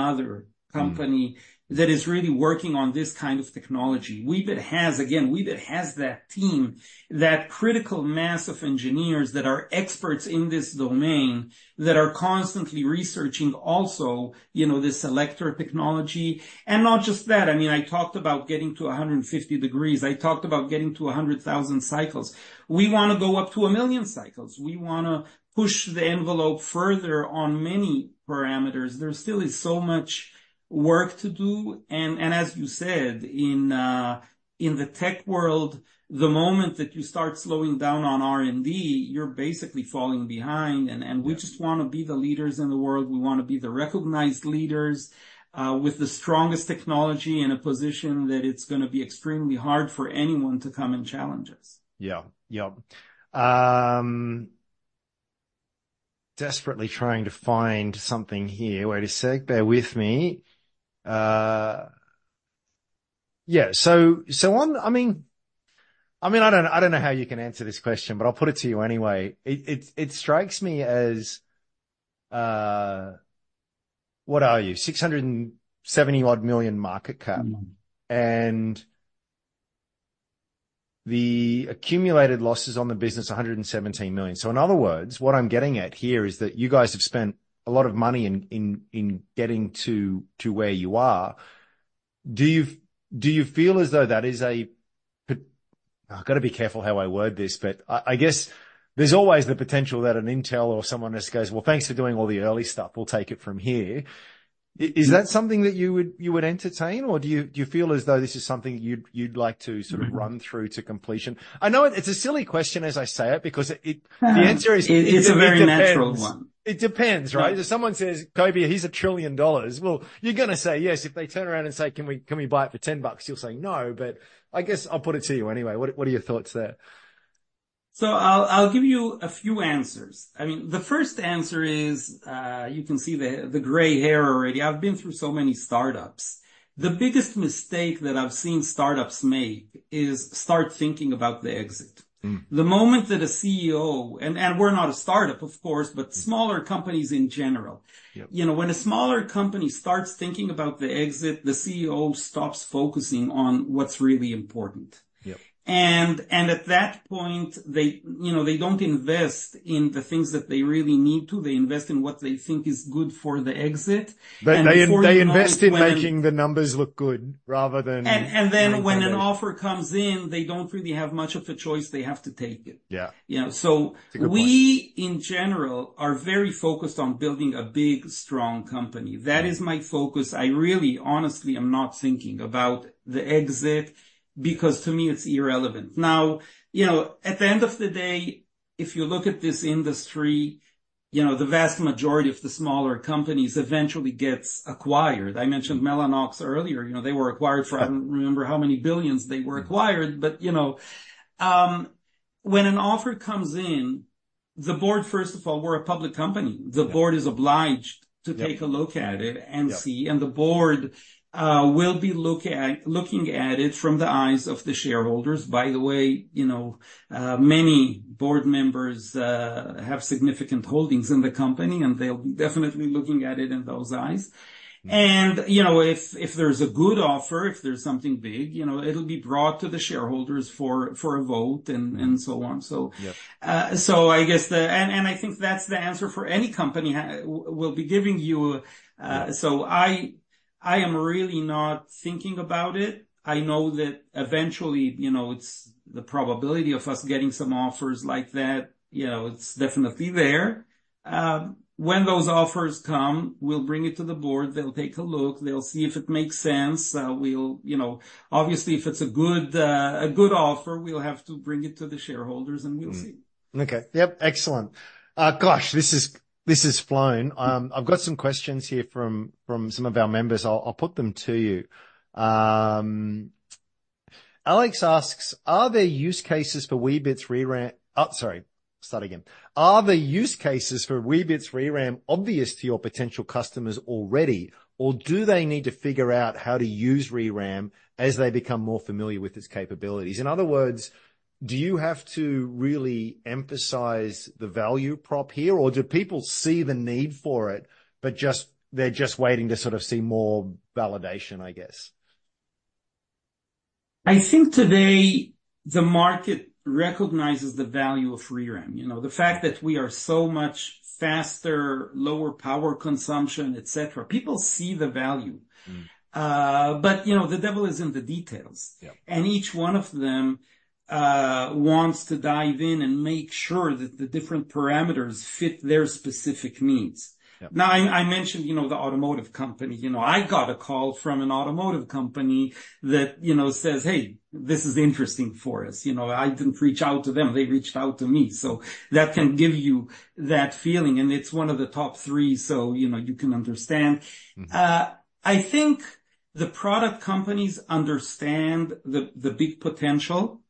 S2: other company that is really working on this kind of technology. Weebit has again, Weebit has that team, that critical mass of engineers that are experts in this domain that are constantly researching also, you know, the selector technology. And not just that. I mean, I talked about getting to 150 degrees. I talked about getting to 100,000 cycles. We wanna go up to 1 million cycles. We wanna push the envelope further on many parameters. There still is so much work to do. And, and as you said, in, in the tech world, the moment that you start slowing down on R&D, you're basically falling behind. And, and we just wanna be the leaders in the world. We wanna be the recognized leaders, with the strongest technology in a position that it's gonna be extremely hard for anyone to come and challenge us.
S1: Yeah. Yep. Desperately trying to find something here. Wait a sec. Bear with me. Yeah. So, I mean, I don't know how you can answer this question, but I'll put it to you anyway. It's, it strikes me as, what are you, 670-odd million market cap? And the accumulated losses on the business, 117 million. So in other words, what I'm getting at here is that you guys have spent a lot of money in getting to where you are. Do you feel as though that is a potential? I gotta be careful how I word this, but I guess there's always the potential that an Intel or someone else goes, "Well, thanks for doing all the early stuff. We'll take it from here." Is that something that you would entertain? Or do you feel as though this is something that you'd like to sort of run through to completion? I know it's a silly question as I say it because it, the answer is it depends.
S2: It's a very natural one.
S1: It depends, right? If someone says, "Coby, he's $1 trillion," well, you're gonna say, "Yes." If they turn around and say, "Can we buy it for $10?" you'll say, "No." But I guess I'll put it to you anyway. What are your thoughts there?
S2: So I'll give you a few answers. I mean, the first answer is, you can see the gray hair already. I've been through so many startups. The biggest mistake that I've seen startups make is start thinking about the exit. The moment that a CEO and we're not a startup, of course, but smaller companies in general.
S1: Yep.
S2: You know, when a smaller company starts thinking about the exit, the CEO stops focusing on what's really important.
S1: Yep.
S2: And at that point, they, you know, they don't invest in the things that they really need to. They invest in what they think is good for the exit. And so.
S1: They invest in making the numbers look good rather than.
S2: And then, when an offer comes in, they don't really have much of a choice. They have to take it.
S1: Yeah.
S2: So we, in general, are very focused on building a big, strong company. That is my focus. I really, honestly, am not thinking about the exit because to me, it's irrelevant. Now, you know, at the end of the day, if you look at this industry, you know, the vast majority of the smaller companies eventually gets acquired. I mentioned Mellanox earlier. You know, they were acquired for I don't remember how many billions they were acquired. But, you know, when an offer comes in, the board, first of all, we're a public company. The board is obliged.
S1: Yeah.
S2: To take a look at it and see. The board will be looking at it from the eyes of the shareholders. By the way, you know, many board members have significant holdings in the company. And they'll be definitely looking at it in those eyes. And, you know, if there's a good offer, if there's something big, you know, it'll be brought to the shareholders for a vote and so on. So.
S1: Yep.
S2: So, I guess, and I think that's the answer for any company that will be giving you. So, I am really not thinking about it. I know that eventually, you know, it's the probability of us getting some offers like that, you know, it's definitely there. When those offers come, we'll bring it to the board. They'll take a look. They'll see if it makes sense. We'll, you know, obviously, if it's a good, a good offer, we'll have to bring it to the shareholders. And we'll see.
S1: Okay. Yep. Excellent. Gosh, this is flowing. I've got some questions here from some of our members. I'll put them to you. Alex asks, "Are there use cases for Weebit's ReRAM obvious to your potential customers already, or do they need to figure out how to use ReRAM as they become more familiar with its capabilities?" In other words, do you have to really emphasize the value prop here? Or do people see the need for it, but they're just waiting to sort of see more validation, I guess?
S2: I think today, the market recognizes the value of ReRAM. You know, the fact that we are so much faster, lower power consumption, etc., people see the value. But, you know, the devil is in the details.
S1: Yep.
S2: Each one of them wants to dive in and make sure that the different parameters fit their specific needs.
S1: Yep.
S2: Now, I mentioned, you know, the automotive company. You know, I got a call from an automotive company that, you know, says, "Hey, this is interesting for us." You know, I didn't reach out to them. They reached out to me. So that can give you that feeling. And it's one of the top three. So, you can understand. I think the product companies understand the big potential.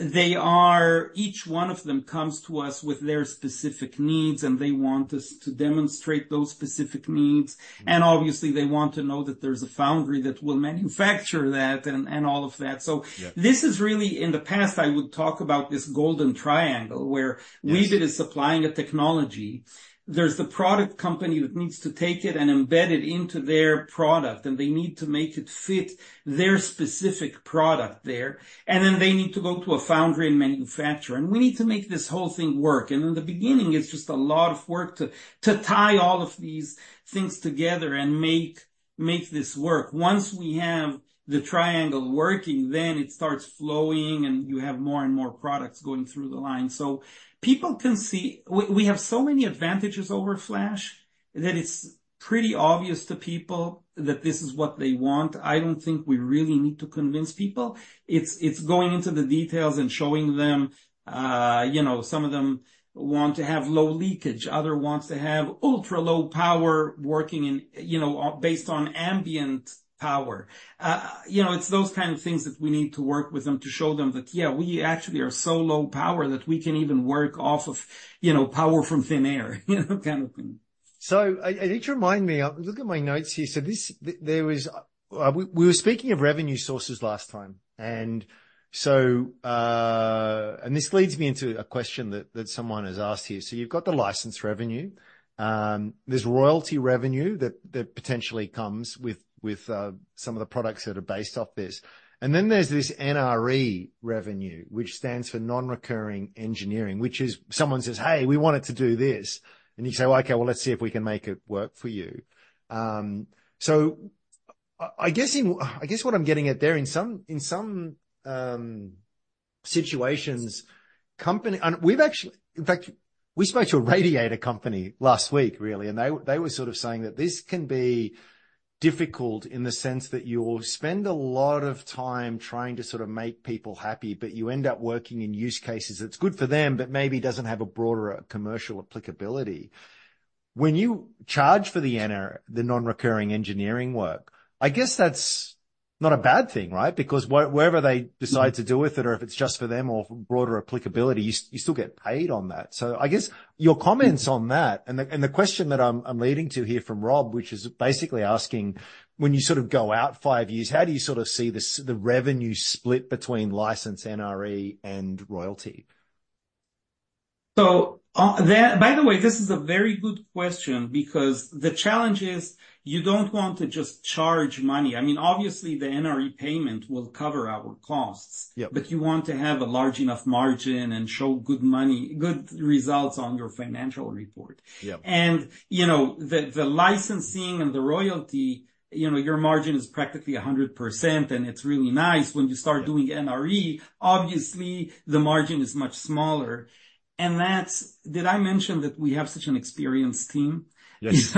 S2: They are each one of them comes to us with their specific needs. And they want us to demonstrate those specific needs. And obviously, they want to know that there's a foundry that will manufacture that and all of that. So.
S1: Yep.
S2: This is really in the past. I would talk about this golden triangle where Weebit is supplying a technology. There's the product company that needs to take it and embed it into their product. They need to make it fit their specific product there. Then they need to go to a foundry and manufacture. We need to make this whole thing work. In the beginning, it's just a lot of work to tie all of these things together and make this work. Once we have the triangle working, then it starts flowing. You have more and more products going through the line. So people can see we have so many advantages over Flash that it's pretty obvious to people that this is what they want. I don't think we really need to convince people. It's going into the details and showing them, you know. Some of them want to have low leakage. Other wants to have ultra-low power working in, you know, or based on ambient power, you know. It's those kind of things that we need to work with them to show them that, yeah, we actually are so low power that we can even work off of, you know, power from thin air, you know, kind of thing.
S1: So I need to remind me I'm looking at my notes here. So this there we were speaking of revenue sources last time. And so, and this leads me into a question that someone has asked here. So you've got the license revenue. There's royalty revenue that potentially comes with some of the products that are based off this. And then there's this NRE revenue, which stands for non-recurring engineering, which is someone says, "Hey, we wanted to do this." And you say, "Okay. Well, let's see if we can make it work for you." So I guess what I'm getting at there, in some situations, company and we've actually in fact, we spoke to a radiator company last week, really. They were sort of saying that this can be difficult in the sense that you'll spend a lot of time trying to sort of make people happy, but you end up working in use cases that's good for them but maybe doesn't have a broader commercial applicability. When you charge for the NRE, the non-recurring engineering work, I guess that's not a bad thing, right? Because wherever they decide to do with it, or if it's just for them or for broader applicability, you still get paid on that. So I guess your comments on that and the question that I'm leading to here from Rob, which is basically asking, when you sort of go out five years, how do you sort of see the revenue split between license, NRE, and royalty?
S2: So, to that, by the way, this is a very good question because the challenge is you don't want to just charge money. I mean, obviously, the NRE payment will cover our costs.
S1: Yep.
S2: But you want to have a large enough margin and show good money good results on your financial report.
S1: Yep.
S2: And, you know, the licensing and the royalty, you know, your margin is practically 100%. And it's really nice. When you start doing NRE, obviously, the margin is much smaller. And that's. Did I mention that we have such an experienced team?
S1: Yes.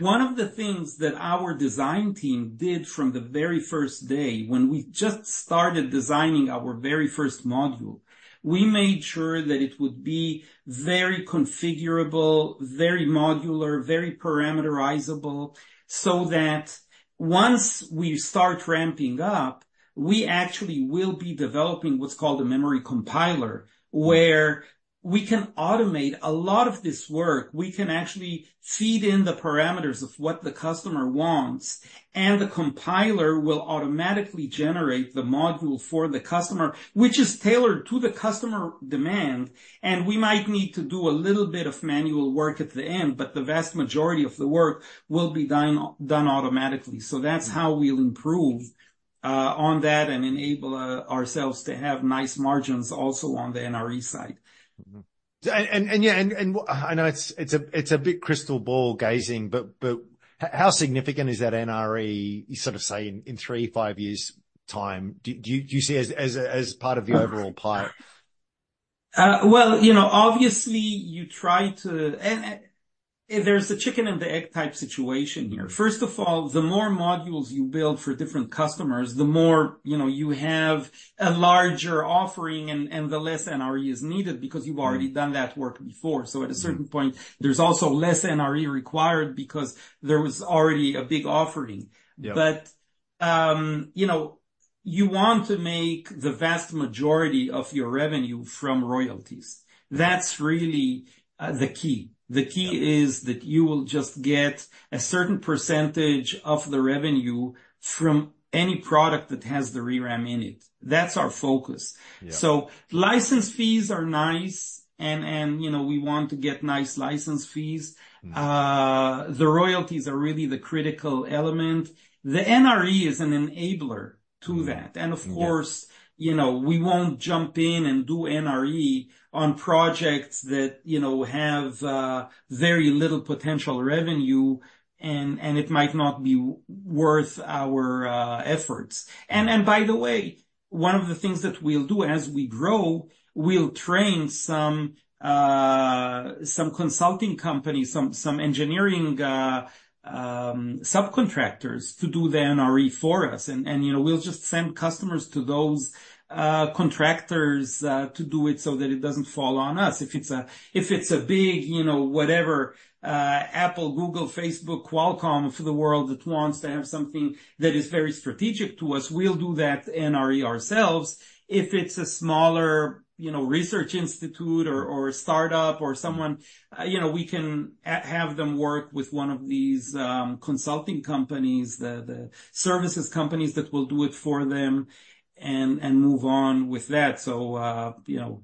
S2: One of the things that our design team did from the very first day when we just started designing our very first module, we made sure that it would be very configurable, very modular, very parameterizable so that once we start ramping up, we actually will be developing what's called a memory compiler where we can automate a lot of this work. We can actually feed in the parameters of what the customer wants. And the compiler will automatically generate the module for the customer, which is tailored to the customer demand. And we might need to do a little bit of manual work at the end. But the vast majority of the work will be done done automatically. So that's how we'll improve on that and enable ourselves to have nice margins also on the NRE side.
S1: Yeah. I know it's a big crystal ball gazing. But how significant is that NRE, you sort of say, in 3-5 years' time? Do you see as a part of the overall pie?
S2: Well, obviously, you try to and, and there's a chicken and the egg type situation here. First of all, the more modules you build for different customers, the more, you have a larger offering and, and the less NRE is needed because you've already done that work before. So at a certain point, there's also less NRE required because there was already a big offering.
S1: Yep.
S2: You know, you want to make the vast majority of your revenue from royalties. That's really the key. The key is that you will just get a certain percentage of the revenue from any product that has the ReRAM in it. That's our focus.
S1: Yep.
S2: So license fees are nice. And, you know, we want to get nice license fees. The royalties are really the critical element. The NRE is an enabler to that. And of course.
S1: Yep.
S2: We won't jump in and do NRE on projects that, you know, have very little potential revenue. And it might not be worth our efforts. And by the way, one of the things that we'll do as we grow, we'll train some consulting companies, some engineering subcontractors to do the NRE for us. And, you know, we'll just send customers to those contractors to do it so that it doesn't fall on us. If it's a big, you know, whatever, Apple, Google, Facebook, Qualcomm for the world that wants to have something that is very strategic to us, we'll do that NRE ourselves. If it's a smaller, you know, research institute or startup or someone, you know, we can have them work with one of these consulting companies, the services companies that will do it for them and move on with that. So, you know,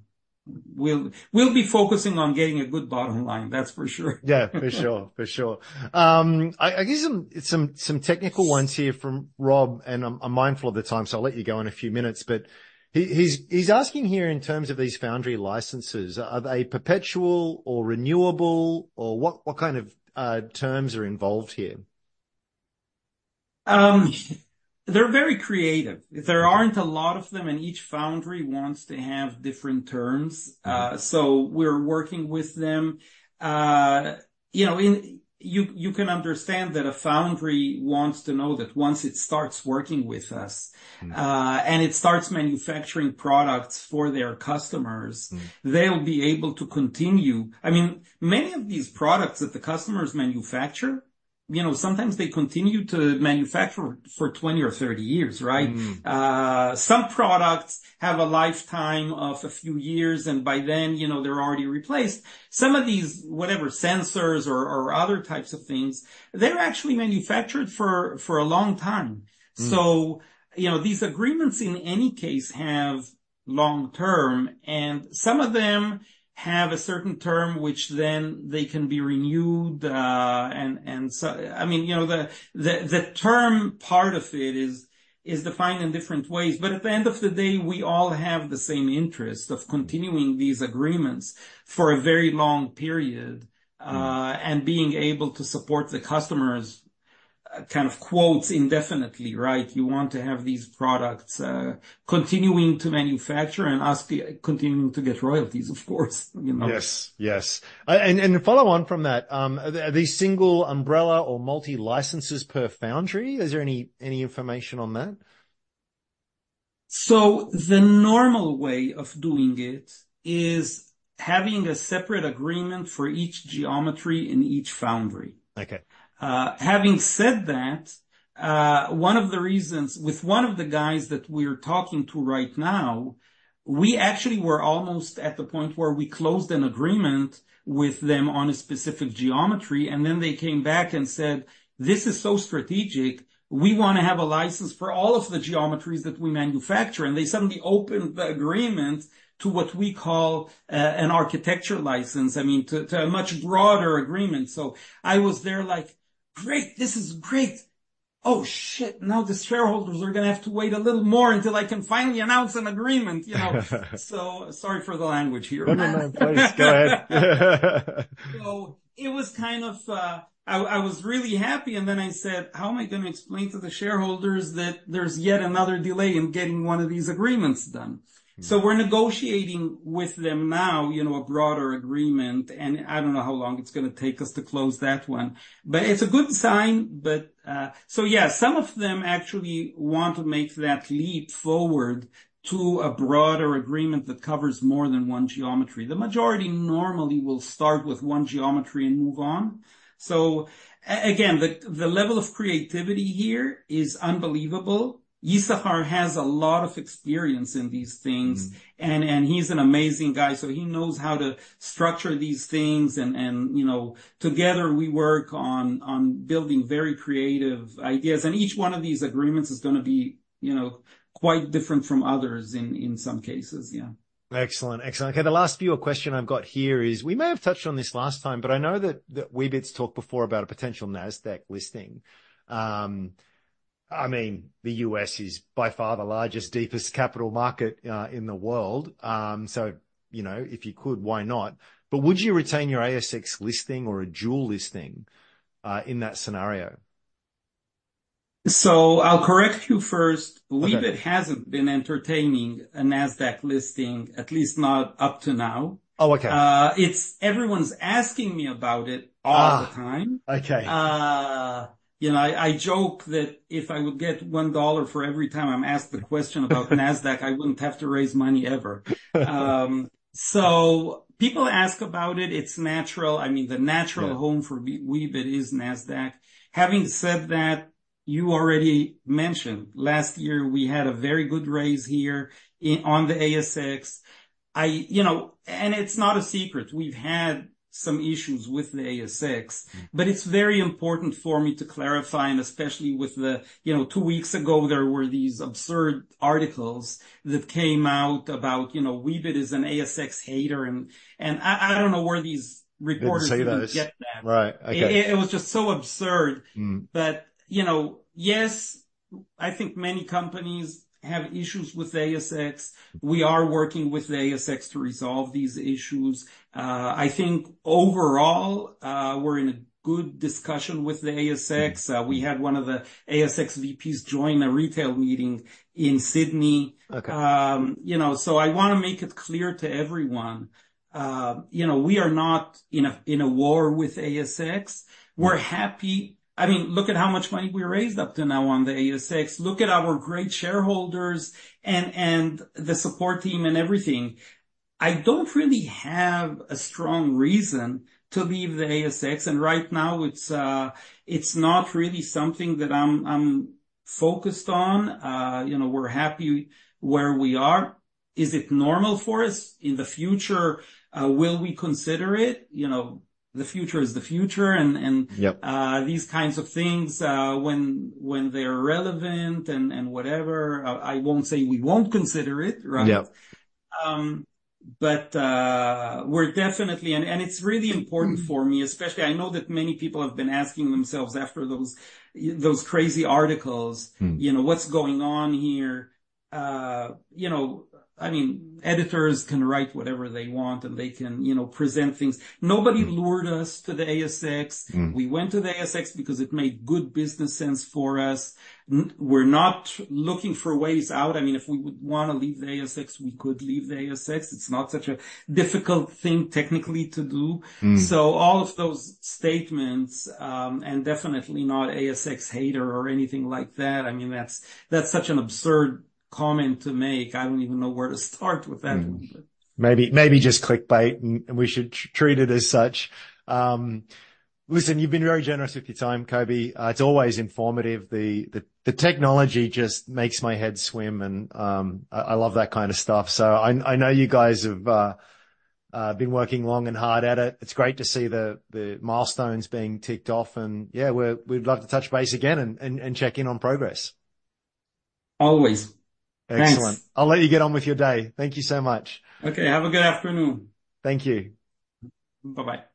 S2: we'll be focusing on getting a good bottom line. That's for sure.
S1: Yeah. For sure. For sure. I guess some technical ones here from Rob. And I'm mindful of the time. So I'll let you go in a few minutes. But he's asking here in terms of these foundry licenses, are they perpetual or renewable? Or what kind of terms are involved here?
S2: They're very creative. There aren't a lot of them. And each foundry wants to have different terms. So we're working with them. You know, in you, you can understand that a foundry wants to know that once it starts working with us, and it starts manufacturing products for their customers, they'll be able to continue. I mean, many of these products that the customers manufacture, you know, sometimes they continue to manufacture for 20 or 30 years, right? Some products have a lifetime of a few years. And by then, you know, they're already replaced. Some of these whatever, sensors or, or other types of things, they're actually manufactured for, for a long time. So, you know, these agreements in any case have long term. And some of them have a certain term, which then they can be renewed. I mean, the term part of it is defined in different ways. But at the end of the day, we all have the same interest of continuing these agreements for a very long period, and being able to support the customers, kind of quotes indefinitely, right? You want to have these products, continuing to manufacture and as to continuing to get royalties, of course.
S1: Yes. Yes. And follow on from that. Are they single umbrella or multi-licenses per foundry? Is there any information on that?
S2: The normal way of doing it is having a separate agreement for each geometry in each foundry.
S1: Okay.
S2: Having said that, one of the reasons with one of the guys that we're talking to right now, we actually were almost at the point where we closed an agreement with them on a specific geometry. And then they came back and said, "This is so strategic. We wanna have a license for all of the geometries that we manufacture." And they suddenly opened the agreement to what we call, an architecture license. I mean, to a much broader agreement. So I was there like, "Great. This is great. Oh, shit. Now, the shareholders are gonna have to wait a little more until I can finally announce an agreement," you know? So sorry for the language here.
S1: No, no, no. In place. Go ahead.
S2: So it was kind of, I was really happy. And then I said, "How am I gonna explain to the shareholders that there's yet another delay in getting one of these agreements done?" So we're negotiating with them now, you know, a broader agreement. And I don't know how long it's gonna take us to close that one. But it's a good sign. But, so yeah, some of them actually want to make that leap forward to a broader agreement that covers more than one geometry. The majority normally will start with one geometry and move on. So again, the level of creativity here is unbelievable. Issachar has a lot of experience in these things. And he's an amazing guy. So he knows how to structure these things. And you know, together, we work on building very creative ideas. Each one of these agreements is gonna be, you know, quite different from others in, in some cases. Yeah.
S1: Excellent. Excellent. Okay. The last question I've got here is we may have touched on this last time. But I know that Weebit's talked before about a potential NASDAQ listing. I mean, the U.S. is by far the largest, deepest capital market in the world. So, if you could, why not? But would you retain your ASX listing or a dual listing in that scenario?
S2: I'll correct you first.
S1: Oh.
S2: Weebit hasn't been entertaining a NASDAQ listing, at least not up to now.
S1: Oh, okay.
S2: It's everyone's asking me about it all the time.
S1: Okay.
S2: You know, I, I joke that if I would get $1 for every time I'm asked the question about NASDAQ, I wouldn't have to raise money ever. So people ask about it. It's natural. I mean, the natural home for Weebit is NASDAQ. Having said that, you already mentioned, last year, we had a very good raise here on the ASX. I, you know and it's not a secret. We've had some issues with the ASX. But it's very important for me to clarify. And especially with the you know, two weeks ago, there were these absurd articles that came out about, you know, Weebit is an ASX hater. And, and I, I don't know where these reporters did get that.
S1: They didn't say this. Right. Okay.
S2: It was just so absurd. But, you know, yes, I think many companies have issues with ASX. We are working with ASX to resolve these issues. I think overall, we're in a good discussion with the ASX. We had one of the ASX VPs join a retail meeting in Sydney.
S1: Okay.
S2: I wanna make it clear to everyone, you know, we are not in a war with ASX. We're happy. I mean, look at how much money we raised up to now on the ASX. Look at our great shareholders and the support team and everything. I don't really have a strong reason to leave the ASX. And right now, it's not really something that I'm focused on. We're happy where we are. Is it normal for us in the future? Will we consider it? The future is the future. And.
S1: Yep.
S2: These kinds of things, when they're relevant and whatever, I won't say we won't consider it, right?
S1: Yep.
S2: But we're definitely, and it's really important for me, especially I know that many people have been asking themselves after those crazy articles. You know, what's going on here? You know, I mean, editors can write whatever they want. And they can, you know, present things. Nobody lured us to the ASX. We went to the ASX because it made good business sense for us. And we're not looking for ways out. I mean, if we would wanna leave the ASX, we could leave the ASX. It's not such a difficult thing technically to do. So all of those statements, and definitely not ASX hater or anything like that, I mean, that's such an absurd comment to make. I don't even know where to start with that one, but.
S1: Maybe just clickbait. And we should treat it as such. Listen, you've been very generous with your time, Coby. It's always informative. The technology just makes my head swim. And I love that kind of stuff. So I know you guys have been working long and hard at it. It's great to see the milestones being ticked off. And yeah, we'd love to touch base again and check in on progress.
S2: Always. Thanks.
S1: Excellent. I'll let you get on with your day. Thank you so much.
S2: Okay. Have a good afternoon.
S1: Thank you.
S2: Bye-bye.